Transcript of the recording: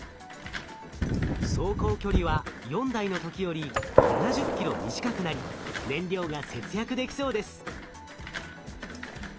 走行距離は４台の時より７０キロ短くなり燃料が節約できそうです。